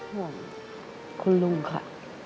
ห่วงคุณลุงค่ะ